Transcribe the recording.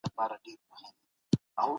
اوسنی وضعیت له تېر سره وتړئ.